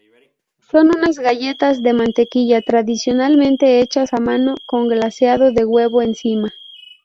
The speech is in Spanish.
Son unas galletas de mantequilla, tradicionalmente hechas a mano, con glaseado de huevo encima.